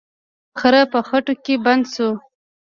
خر په خټو کې بند شو.